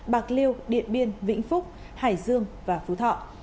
bạc liêu điện biên vĩnh phúc hải dương và phú thọ